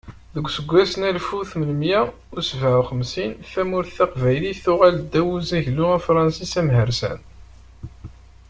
Deg useggas n alef u tmenmiyya u sebɛa u xemsin, tamurt taqbaylit tuɣal ddaw n uzaglu afṛensis amhersan.